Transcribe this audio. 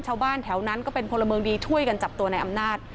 ชาวบ้านแถวนั้นก็เป็นพลเมืองดีช่วยกันจับตัวในอำนาจ